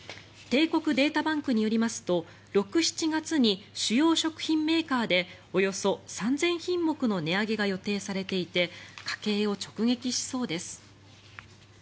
帝国データバンクによりますと６７月に主要食品メーカーでおよそ３０００品目の値上げが予定されていて家計を直撃しそうです。